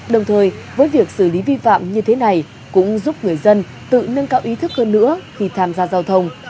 đồng thời với việc xử lý vi phạm như thế này cũng giúp người dân tự nâng cao ý thức hơn nữa khi tham gia giao thông